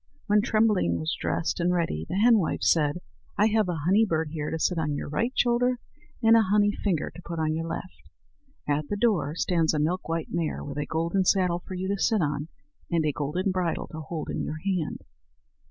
When Trembling was dressed and ready, the henwife said: "I have a honey bird here to sit on your right shoulder, and a honey finger to put on your left. At the door stands a milk white mare, with a golden saddle for you to sit on, and a golden bridle to hold in your hand."